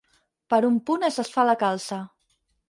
Per un punt es desfà la calça.